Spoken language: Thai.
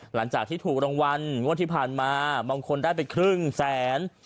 หลังจากที่ถูกรางวัลงวดที่ผ่านมาบางคนได้ไปครึ่งแสน